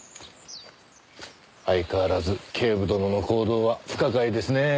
相変わらず警部殿の行動は不可解ですねぇ。